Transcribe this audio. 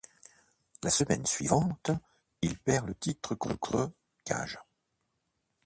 La semaine suivante, il perd le titre contre Cage.